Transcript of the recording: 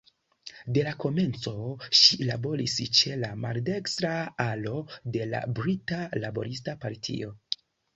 De la komenco ŝi laboris ĉe la maldekstra alo de la Brita Laborista Partio.